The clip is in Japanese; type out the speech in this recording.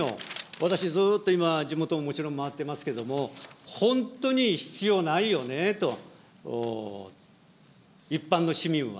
私ずっと今、地元、もちろん回ってますけれども、本当に必要ないよねと、一般の市民は。